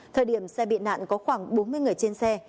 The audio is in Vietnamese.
thời điểm xe bị nạn có khoảng bốn mươi người trên xe